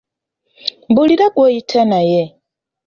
Mbuulira gw'oyita naye.